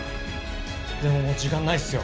でももう時間ないっすよ。